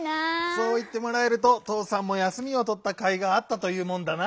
そういってもらえるととうさんも休みをとったかいがあったというもんだな。